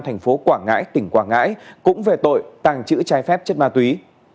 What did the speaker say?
thành phố quảng ngãi tỉnh quảng ngãi cũng về tội tàng trữ trái phép chất ma túy